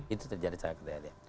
itu terjadi sakit hati